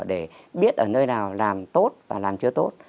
để biết ở nơi nào làm tốt và làm chưa tốt